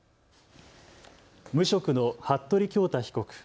無職の服部恭太被告。